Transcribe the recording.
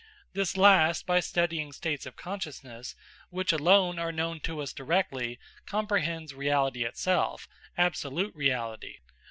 This last, by studying states of consciousness, which alone are known to us directly, comprehends reality itself, absolute reality.